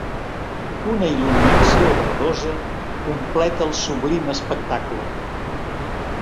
Una il·luminació verdosa completa el sublim espectacle.